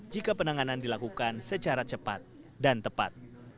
jika penanganan dilakukan secara cepat dan tepat